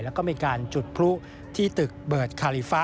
แล้วก็มีการจุดพลุที่ตึกเบิร์ดคาลิฟะ